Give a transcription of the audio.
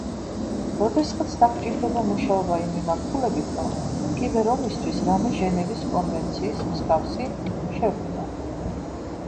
როდესღაც დაგვჭირდება მუშაობა იმ მიმართულებით, რომ კიბერ-ომისთვის რამე ჟენევის კონვენციის მსგავსი შევქმნათ.